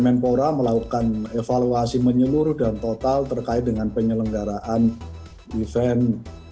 dan kempora melakukan evaluasi menyeluruh dan total terkait dengan penyelenggaraan event